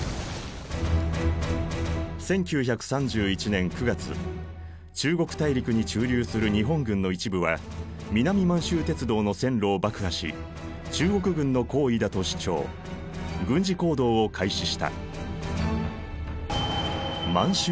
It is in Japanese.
１９３１年９月中国大陸に駐留する日本軍の一部は南満州鉄道の線路を爆破し中国軍の行為だと主張軍事行動を開始した。